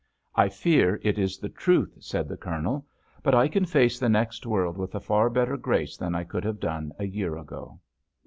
"I fear it is the truth," said the Colonel; "but I can face the next world with a far better grace than I could have done a year ago."